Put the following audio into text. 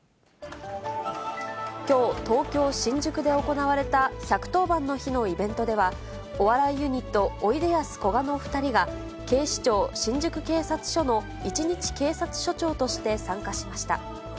きょう、東京・新宿で行われた１１０番の日のイベントでは、お笑いユニット、おいでやすこがの２人が、警視庁新宿警察署の一日警察署長として参加しました。